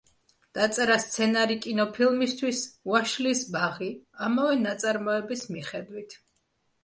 დაწერა სცენარი კინოფილმისთვის „ვაშლის ბაღი“, ამავე ნაწარმოების მიხედვით.